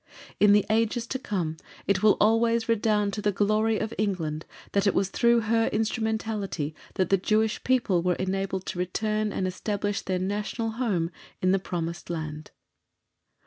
In the ages to come it will always redound to the glory of England that it was through her instrumentality that the Jewish people were enabled to return and establish their National Home in the Promised Land.